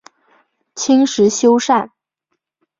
清时修缮。